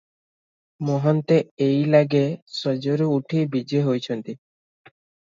ମହନ୍ତେ ଏଇଲାଗେ ଶେଯରୁ ଉଠି ବିଜେ ହୋଇଛନ୍ତି ।